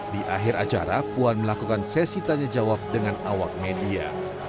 di akhir acara puan melakukan sesi tanya jawab dengan awak media